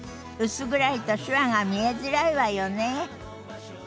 薄暗いと手話が見えづらいわよね。